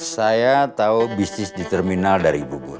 saya tahu bisnis di terminal dari ibu bun